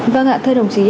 vâng ạ thưa đồng chí